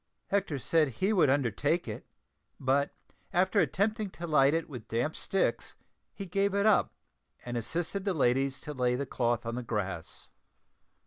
Hector said he would undertake it, but after attempting to light it with damp sticks he gave it up and assisted the ladies to lay the cloth on the grass.